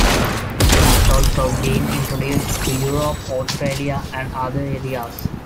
It has also been introduced to Europe, Australia, and other areas.